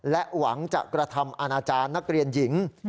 และหวังจะกระทำอาณาจารย์นักเรียนหญิง